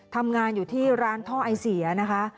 ทำงานอยู่ที่ร้านท่อไอเสียนะคะ